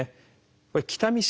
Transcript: これ北見市